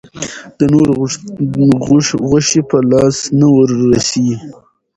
د نورو غوښې په لاس نه وررسي.